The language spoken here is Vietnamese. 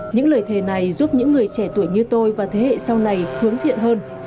những lời thề này giúp những người trẻ tuổi như tôi và thế hệ sau này hướng thiện hơn